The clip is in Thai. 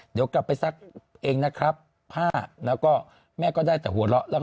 เดี๋ยวกลับไปซักเองนะครับผ้าแล้วก็แม่ก็ได้แต่หัวเราะแล้วก็